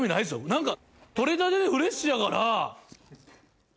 何か採れたてでフレッシュやから。